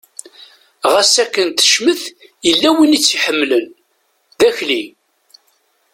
Ɣas akken tecmet yella win i tt-iḥemmlen, d Akli.